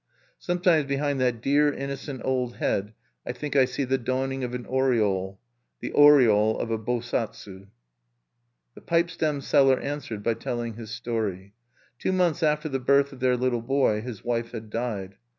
Sometimes behind that dear innocent old head I think I see the dawning of an aureole, the aureole of the Bosatsu. The pipe stem seller answered by telling his story. Two months after the birth of their little boy, his wife had died.